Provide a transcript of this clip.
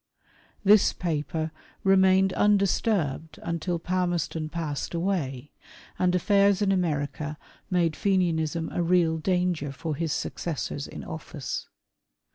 This paper remained undisturbed until Palmerston passed away, and affairs in America made Fenianism a real danger for his successors in office.